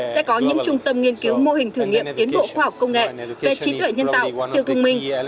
sẽ có những trung tâm nghiên cứu mô hình thử nghiệm tiến bộ khoa học công nghệ về trí tuệ nhân tạo siêu thông minh